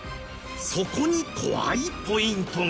そこに怖いポイントが。